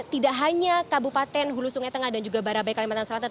tidak hanya kabupaten hulu sungai tengah dan juga barabai kalimantan selatan